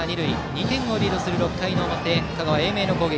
２点をリードする６回の表の香川・英明の攻撃。